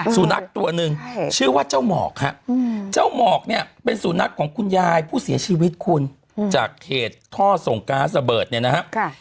สุนัขตัวหนึ่งชื่อว่าเจ้าหมอกฮะเจ้าหมอกเนี่ยเป็นสุนัขของคุณยายผู้เสียชีวิตคุณจากเขตท่อส่งก๊าซระเบิดเนี่ยนะครับ